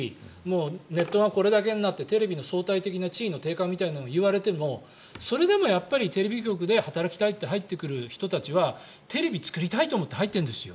ネットがこれだけになってテレビの相対的な地位の低下みたいなものがいわれても、それでもやっぱりテレビ局で働きたいって入ってくる人たちはテレビ作りたいと思って入っているんですよ。